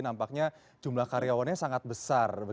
nampaknya jumlah karyawannya sangat besar